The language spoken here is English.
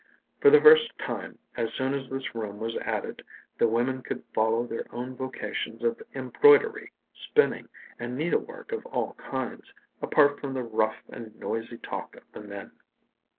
For the first time, as soon as this room was added, the women could follow their own vocations of embroidery, spinning, and needlework of all kinds, apart from the rough and noisy talk of the men.